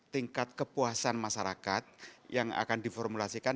tingkat kepuasan masyarakat yang akan diformulasikan